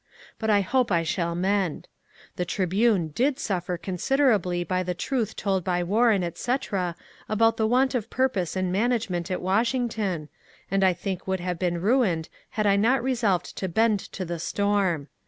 But I hope I shall mend. The " Tribune " did sufiFer considerably by the truth told by Warren, etc., about the want of purpose and management at Washington, and I think would have been ruined had I not resolved to bend to the storm.